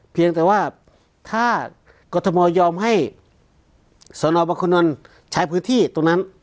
เพียงแต่ว่าถ้ากรทมยอมให้สนบังคุณนลใช้พื้นที่ตรงนั้น